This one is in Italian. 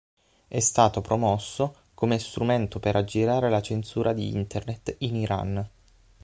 È stato promosso come strumento per aggirare la Censura di Internet in Iran.